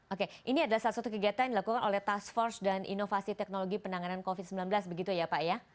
oke ini adalah salah satu kegiatan yang dilakukan oleh task force dan inovasi teknologi penanganan covid sembilan belas begitu ya pak ya